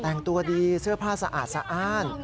แต่งตัวดีเสื้อผ้าสะอาดสะอ้าน